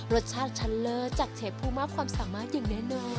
รสชาติเชลล์จากเชฟภูมิอัพความสามารถอย่างแน่นอน